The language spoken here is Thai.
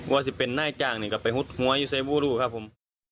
ว่าจะเป็นหน้าจางก็ไปหุดหัวอยู่ใส่บูรูครับผม